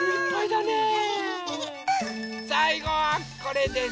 さいごはこれです。